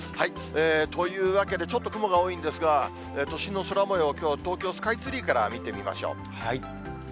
というわけでちょっと雲が多いんですが、都心の空もよう、きょう、東京スカイツリーから見てみましょう。